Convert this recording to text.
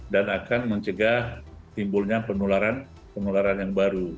dan akan mencegah timbulnya penularan yang baru